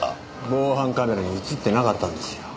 防犯カメラに映ってなかったんですよ。